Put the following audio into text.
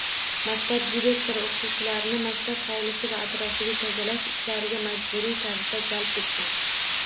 Maktab direktori o‘qituvchilarni maktab hovlisi va atrofiga tozalash ishlariga majburiy tarzda jalb etgan